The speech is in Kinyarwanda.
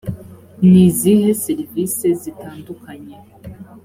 ni izihe serivise zitandukanye